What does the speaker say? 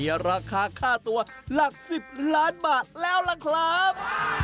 ที่มีราคาข้าตัว๑๐ล้านบาทแล้วล่ะครับ